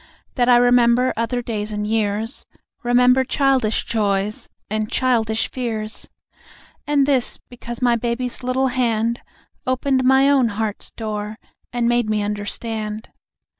That I remember other days and years; Remember childish joys and childish fears. And this, because my baby's little hand Opened my own heart's door and made me understand.